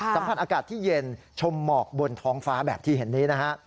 สัมผัสอากาศที่เย็นชมหมอกบนท้องฟ้าแบบที่เห็นนี้นะฮะ